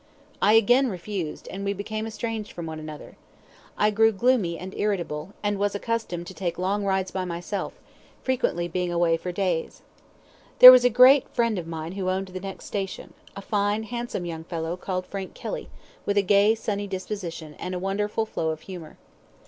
I again refused, and we became estranged from one another. I grew gloomy and irritable, and was accustomed to take long rides by myself, frequently being away for days. There was a great friend of mine who owned the next station, a fine, handsome young fellow, called Frank Kelly, with a gay, sunny disposition, and a wonderful flow of humour.